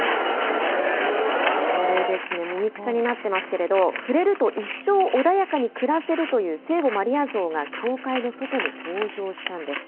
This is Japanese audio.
これですね、もみくちゃになってますけど、触れると一生穏やかに暮らせるという聖母マリア像が教会の外に登場したんです。